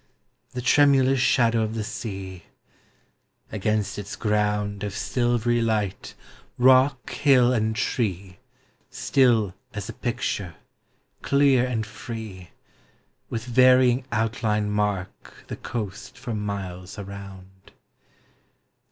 The tremulous shadow of the Sea! Against its ground 128 POEMS OF NATURE. Of silvery light, rock, hill, and tree, Still as a picture, clear and free, With varying outline mark the coast for miles around.